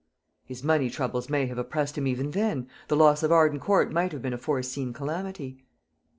"His money troubles may have oppressed him even then. The loss of Arden Court might have been a foreseen calamity."